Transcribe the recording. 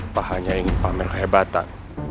tak hanya ingin pamer kehebatan